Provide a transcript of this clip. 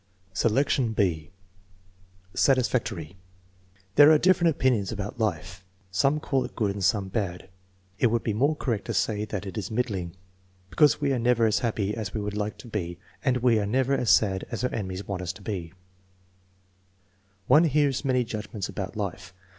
Selection (6) Satisfactory. "There are different opinions about life. Some call it good and some bad. It would be more correct to say that it is middling, because we are never as happy as we would like to be and we are never as sad as our enemies want us to be*" "One hears many judgments about life.